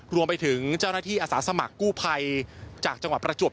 รวมไปถึงเจ้าหน้าที่อาสาสมัครกู้ภัยจากจังหวัดประจวบ